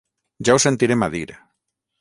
Ja ho sentirem a dir.